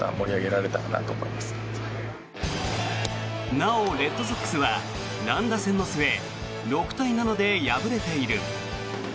なお、レッドソックスは乱打戦の末６対７で敗れている。